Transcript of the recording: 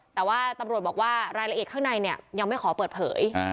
แต่ว่าตำรวจบอกว่ารายละเอียดข้างในเนี่ยยังไม่ขอเปิดเผย